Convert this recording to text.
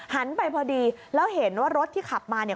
ไปพอดีแล้วเห็นว่ารถที่ขับมาเนี่ย